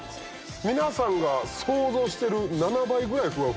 皆さんが想像してる７倍ぐらいふわふわです。